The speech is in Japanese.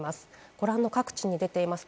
ご覧の各地に出ています。